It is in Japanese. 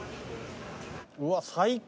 うわ最高。